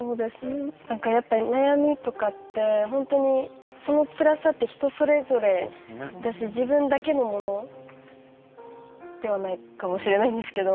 悩みとかそのつらさって人それぞれだし、自分だけのものではないかもしれないですけど。